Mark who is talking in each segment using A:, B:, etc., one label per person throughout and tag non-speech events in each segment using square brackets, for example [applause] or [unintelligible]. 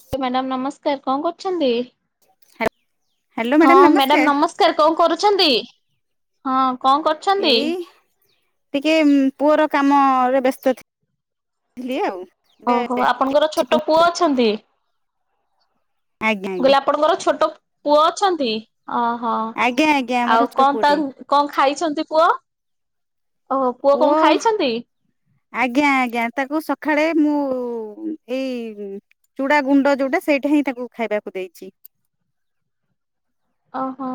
A: ଆଜ୍ଞା ମ୍ୟାଡାମ ନମସ୍କାର। କଣ କରୁଛନ୍ତି?
B: ହା।
A: ହଁ ମ୍ୟାଡାମ ନମସ୍କାର କଣ କରୁଚ୍? ଛନ୍ତି ହଁ କଣ କରୁଛନ୍ତି?
B: ଏଇ ଟିକେ ପୁଅର କାମରେ ବ୍ୟସ୍ତ ଥିଲି ଆଉ ଏବେ
A: ଓହୋ ଆପଣଙ୍କର ଛୋଟ ପୁଅ ଅଛନ୍ତି?
B: ଆଜ୍ଞା ଆଜ୍ଞା
A: ମୁଁ କହିଲେ ଆପଣଙ୍କର ଛୋଟ ପୁଅ ଅଛନ୍ତି। ଅ ଓହୋ
B: ଆଜ୍ଞା ଆଜ୍ଞା ଆମର
A: ଆଉ
B: ଛୋଟ
A: କଣ ତା
B: ପୁଅଟେ
A: କଣ ଖାଇଛନ୍ତି ପୁଅ ଓହୋ ପୁଅ କଣ ଖାଇଛନ୍ତି।
B: ଆଜ୍ଞା ଆଜ୍ଞା ତାକୁ ସକାଳେ ମୁଁ ଏଇ ଚୁଡା ଗୁଣ୍ଡ ଯୋଉଟା ସେଇଟା ହିଁ ତାକୁ ଖାଇବାକୁ ହିଁ ଦେଇଚି।
A: ଓହୋ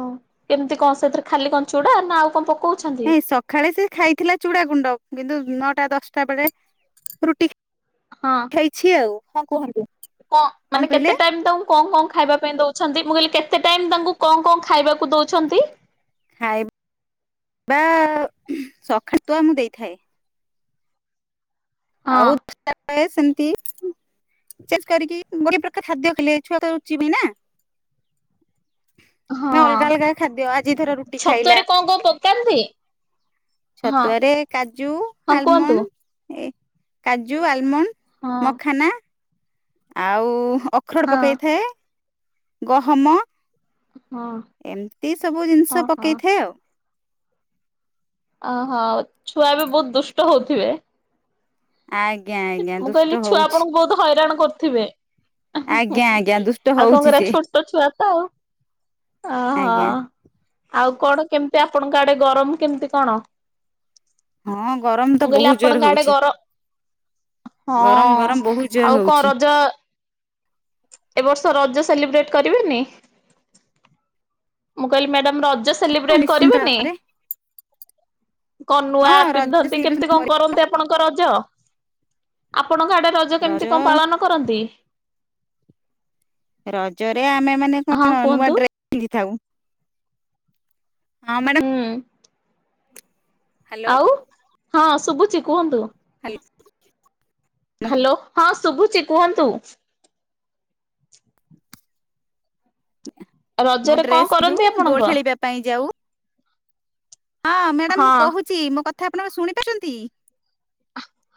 A: କେମିତି କଣ ସେଥିରେ ଖାଲି କ ଚୁଡ଼ା ନା ଆଉ କଣ ପ
B: ନାଇଁ ସକାଳେ ସେ ଖାଇଥିଲା ଚୁଡା ଗୁଣ୍ଡ। କିନ୍ତୁ ନଅଟା ଦଶଟା ବେଳେ ରୁଟି
A: ହଁ
B: ଖାଇଛି ଆଉ। ହଁ କୁହନ୍ତୁ।
A: କଣ ମାନେ କେତେ ଟାଇମ୍ ତାଙ୍କୁ କଣ କଣ ଖାଇବା ପାଇଁ ଦୋଉଛନ୍ତି ମୁଁ କହିଲି କେ କେତେ ଟାଇମ୍ ତାଙ୍କୁ କଣ କଣ ଖାଇବାକୁ ଦୋଉଛନ୍ତି।
B: ଖାଇବା ସକାଳୁ ଛତୁଆ ମୁ ଦେଇଥାଏ।
A: ହଁ
B: ଆଉ ସେମତି ଚେସ୍ କରିକି ଗୋଟେ ପ୍ରକାର ଖାଦ୍ୟ ଖଲେ ଛୁଆ ତ ରୁଚିବନି ନା।
A: ହଁ
B: ଅଲଗା ଅଲଗା ଖାଦ୍ୟ ଆଜି ଥର ରୁଟି ଖାଇଲା
A: ଛତୁଆରେ କଣ କଣ ପକାନ୍ତି? ହଁ
B: ଛତୁଆରେ କାଜୁ
A: ହଁ କୁହନ୍ତୁ
B: ଆଲମଣ୍ଡ ଏ କାଜୁ ଆଲମଣ୍ଡ
A: ହଁ
B: ମଖାନା। ଆଉ ଅଖରଡ଼
A: ହଁ
B: ପକେଇଥାଏ। ଗହମ।
A: ହଁ
B: ଏମତି ସବୁ ଜିନିଷ
A: ଓହୋ।
B: ପକେଇଥାଏ ଆଉ।
A: ଅହୋ ଛୁଆ ବି ବହୁତ ଦୁଷ୍ଟ ହଉଥିବେ।
B: ଆଜ୍ଞା ଆଜ୍ଞା
A: ମୁଁ
B: ଦୁଷ୍ଟ
A: କହିଲି ଛୁଆ
B: ହଉଛି
A: ଆପଣଙ୍କୁ ବହୁତ ହଇରାଣ କରିଥିବେ।
B: ଆଜ୍ଞା ଆଜ୍ଞା ଦୁଷ୍ଟ
A: ଆଉ
B: ହଉଛି
A: କଣକରିବା
B: ସିଏ
A: ଛୋଟ ଛୁଆ ତ ଆଉ ଓହୋ
B: ଆଜ୍ଞା।
A: ଆଉ କଣ କେମିତି ଆପଣଙ୍କ ଆଡେ ଗରମ କେମିତି କଣ।
B: ହଁ ଗରମ
A: ମୁଁ
B: ତ
A: କହିଲି
B: ବହୁତ୍
A: ଆପଣଙ୍କ
B: ଜୋର
A: ଆଡେ
B: ହଉଚି।
A: ଗର ହଁ ଆଉ କଣ
B: ହଉଛି
A: ରଜ ଏ ବର୍ଷ ରଜ ସେଲିବ୍ରେଟ୍ କରିବେନି ମୁଁ କହିଲି ମ୍ୟାଡ଼ାମ ରଜ
B: ହଁ
A: ସେଲିବ୍ରେଟ
B: ନିଶ୍ଚିନ୍ତ
A: କରିବେନି।
B: ଭାବରେ
A: କନୁଆ
B: ହଁ ରଜ
A: ପିନ୍ଧନ୍ତି
B: ସେଲିବ୍ରେସନ
A: କେମିତି କଣ
B: କରି
A: କରନ୍ତି। ଆପଣଙ୍କ ରଜ। ଆପଣଙ୍କ ଆଡେ ରଜ କେମିତି କଣ ପାଳନ କରନ୍ତି।
B: ରଜରେ ଆମେ ମାନେ
A: ହଁ
B: କଣ ନୂଆ
A: କୁହନ୍ତୁ
B: ଡ୍ରେସ ପିନ୍ଧିଥାଉ। ହଁ ମ୍ୟାଡ଼ମ।
A: ହୁଁ
B: ହ୍ୟାଲୋ
A: ଆଉ ହଁ ଶୁଭୁଛି କୁହନ୍ତୁ।
B: [inaudible]
A: ହ୍ୟାଲୋ ହଁ ଶୁଭୁଛିି କୁହନ୍ତୁ।
B: ନ
A: ରଜରେ କଣ
B: ଡ୍ରେସ୍ ପିଧୁ
A: କରନ୍ତି ଆପଣଙ୍କ?
B: ଦୋଡ଼ ଖେଳିବା ପାଇଁ ଯାଉ। ହଁ ମ୍ୟାଡ଼ାମ ମୁଁ
A: ହଁ
B: କହୁଛି ମୋ କଥା କଥା ଆପଣ ଶୁଣି ପାରୁଛନ୍ତି।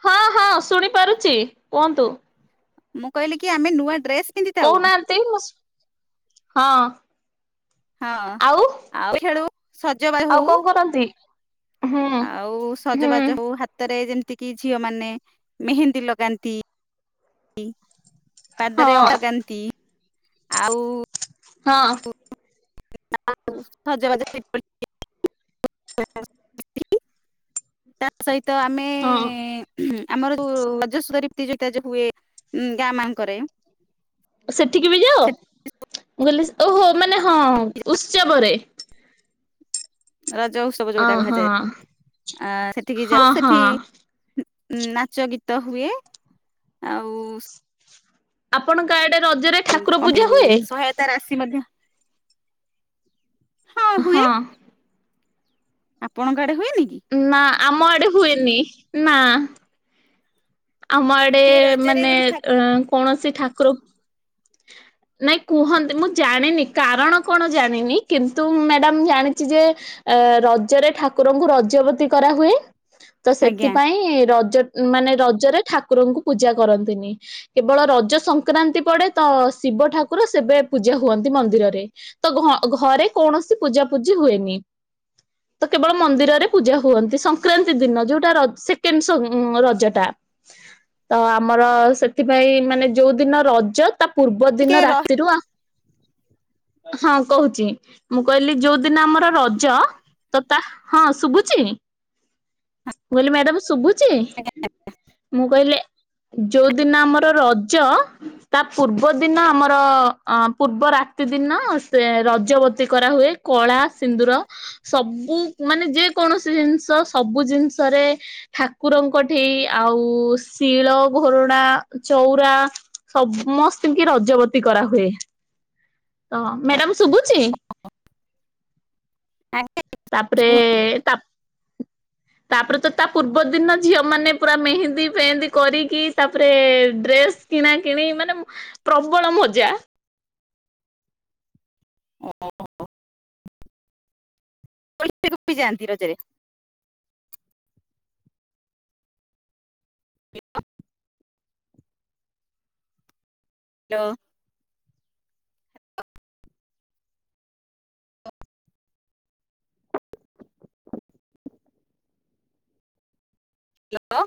A: ହଁ ହଁ ଶୁଣି ପାରୁଛି କୁହନ୍ତୁ।
B: ମୁଁ କହିଲି କି ଆମେ ନୂଆ ଡ୍ରେସ ପିନ୍ଧିଥାଉ
A: କହୁନାହାନ୍ତି ମୁସୁ ହାଁ ।
B: ହଁ ଆଉ ଖେଳୁ ସଜବା
A: ଆଉ
B: ହଉ।
A: କଣ କରନ୍ତି? ହୁଁ
B: ଆଉ
A: ହୁଁ
B: ସଜବାଜ ହଉ ହାତରେ ଯେତିକି ଝିଅ ମାନେ ମେହେନ୍ଦୀ ଲଗାନ୍ତି ପାଦରେ
A: ହଁ
B: ଅଳଗନ୍ତି। ଆଉ
A: ହଁ
B: ସଜବା ତା ସହିତ [unintelligible] ତ ଆମେ
A: ହଁ
B: ଆମର ଯୋଉ ରାଜସ୍ୱ ରୀପ୍ତି ଯୋଉଟ ହୁଏ ଗାଁ ମାନଙ୍କରେ
A: ସେଠିକି ବି ଯାଅ
B: ସେଠି
A: ମୁଁ କହିଲି? ଓହୋ ମାନେ ହଁ ଉତ୍ସବରେ
B: ରଜ ଉତ୍ସବ
A: ଅ
B: ଯୋଉଟା
A: ହଁ
B: କୁହାଯାଏ ଆ ସେଠିକି ଯାଉ
A: ହଁ
B: ସେଠି
A: ହଁ।
B: ନାଚ ଗୀତ ତ ହୁଏ ଆଉ
A: ଆପଣଙ୍କ ଆଡେ ରଜରେ
B: କ
A: ଠାକୁର ପୂଜା ହୁଏ?
B: ସହାୟତା ରାଶି ମଧ୍ୟ
A: ହଁ।
B: ଆପଣଙ୍କ ହୁଏନି କି?
A: ନା ଆମ ଆଡେ ହୁଏନି ନା। ଆମ ଆଡେ
B: ଏଇ ରଜରେ
A: ମାନେ
B: କଣ ଠା
A: ଅ କୌଣସି ଠାକୁର ନାଇଁ କୁହନ୍ତି ମୁଁ ଜାଣିନି କାରଣ କଣ ଜାଣିନି କିନ୍ତୁ ମ୍ୟାଡାମ ଜାଣିଛି ଯେ ରଜରେ ଠାକୁରଙ୍କୁ ରଜବତୀ କରାହୁଏ। ତ
B: ଆଜ୍ଞା
A: ସେଥିପାଇଁ ରଜ ମାନେ ରଜରେ ଠାକୁରଙ୍କୁ ପୂଜା କରନ୍ତିନି କେବଳ ରଜ ସଂକ୍ରାନ୍ତି ପଡେ ତ ଶିବ ଠାକୁର ସେବେ ପୂଜା ହୁଅନ୍ତି ମନ୍ଦିରରେ ତ ଘରେ କୌଣସି ପୂଜା ପୂଜି ହୁଏନି ତ କେବଳ ମନ୍ଦିରରେ ପୂଜା ହୁଅନ୍ତି ସଂକ୍ରାନ୍ତି ଦିନ ଯୋଉଟା ସେକେଣ୍ଡ ରଜଟା ତ ଆମର ସେଥିପାଇଁ ମାନେ ଯୋଉ ଦିନ ରଜ ତା ପୂର୍ବ
B: ଟିକେ
A: ଦିନ
B: ରହି
A: ରାତିରୁ ଆଉ ହଁ କହୁଛି ମୁଁ କହିଲି ଯୋଉ ଦିନ ଆମର ରଜ ତ ତା ହଁ ଶୁଭୁଛି ମୁଁ କହିଲି ମ୍ୟାଡାମ ଶୁଭୁ ଛି
B: ଆଜ୍ଞା
A: ମୁଁ କହିଲେ। ଯୋଉଦିନ ଆମର ରଜ ତା ପୂର୍ବ ଦିନ ଆମର ଅ ପୂର୍ବ ରାତି ଦିନ ସେ ରଜବତୀ କରାହୁଏ କଳା ସିନ୍ଦୁର ସବୁ ମାନେ ଯେକୌଣସି ଜିନିଷ ସବୁ ଜିନିଷରେ ଠାକୁରଙ୍କ ଠେଇ ଆଉ ଶିଳ ଘରଣା ଚଉରା ସବୁ ମସ୍ତିମ ରଜବତୀ କରାହୁଏ। ତ ମ୍ୟାଡାମ ଶୁଭୁଛି।
B: ଆଜ୍ଞା
A: ତାପରେ ତା ତାପରେ ତ ତା ପୂର୍ବ ଦିନ ଝିଅ ମାନେ ପୁରା ମେହେନ୍ଦୀ ଫେହେନ୍ଦୀ କରିକି ତାପରେ ଡ୍ରେସ୍ କିଣା କିିଣି ମାନେ ପ୍ରବଳ ମଜା।
B: ଓ ଓ ଓ ଓ। କ ଜାନ୍ତି ରଜରେ। [unintelligible] ହ୍ୟାଲୋ। ହ୍ୟାଲୋ।